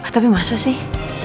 tapi masa sih